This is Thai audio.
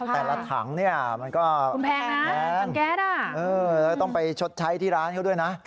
แต่ละถังเนี้ยมันก็คุณแพงนะต้องไปชดใช้ที่ร้านเข้าด้วยนะ